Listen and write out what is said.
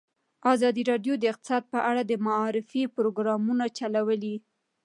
ازادي راډیو د اقتصاد په اړه د معارفې پروګرامونه چلولي.